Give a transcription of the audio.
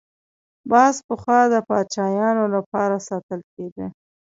باز پخوا د پاچایانو لپاره ساتل کېده